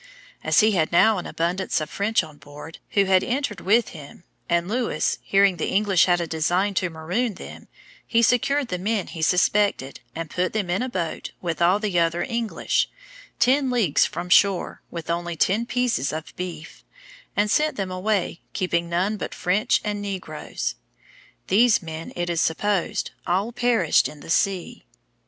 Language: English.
As he had now an abundance of French on board, who had entered with him, and Lewis, hearing the English had a design to maroon them, he secured the men he suspected, and put them in a boat, with all the other English, ten leagues from shore, with only ten pieces of beef, and sent them away, keeping none but French and negroes. These men, it is supposed, all perished in the sea.